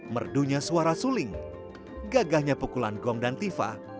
merdunya suara suling gagahnya pukulan gong dan tifa